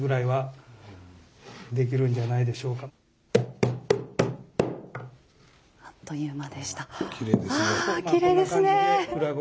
はい。